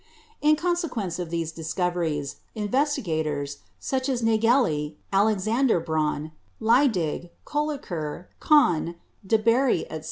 In consequence of these discoveries, investigators, such as Nageli, Alexander Braun, Leydig, Kolliker, Cohn, de Bary, etc.